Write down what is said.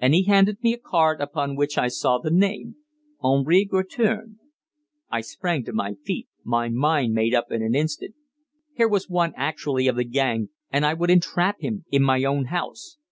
And he handed me a card, upon which I saw the name: "Henri Guertin." I sprang to my feet, my mind made up in an instant. Here was one actually of the gang, and I would entrap him in my own house!